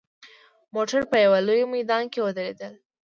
موټر په یوه لوی میدان کې ودرېدل.